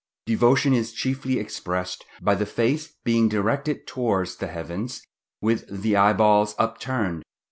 Devotion is chiefly expressed by the face being directed towards the heavens, with the eyeballs upturned.